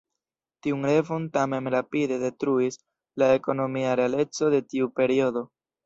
Tiun revon tamen rapide detruis la ekonomia realeco de tiu periodo.